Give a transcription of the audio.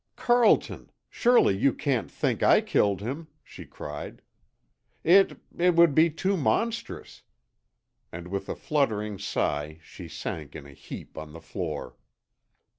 "Carlton! Surely you can't think I killed him!" she cried. "It it would be too monstrous!" And with a fluttering sigh she sank in a heap on the floor.